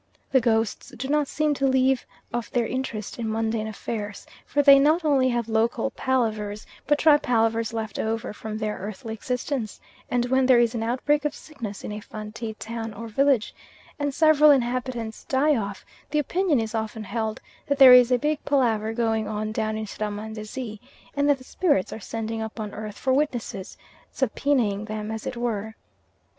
The ghosts do not seem to leave off their interest in mundane affairs, for they not only have local palavers, but try palavers left over from their earthly existence; and when there is an outbreak of sickness in a Fantee town or village, and several inhabitants die off, the opinion is often held that there is a big palaver going on down in Srahmandazi and that the spirits are sending up on earth for witnesses, subpoenaing them as it were.